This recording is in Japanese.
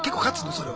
それは。